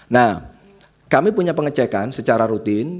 nah kami punya pengecekan secara rutin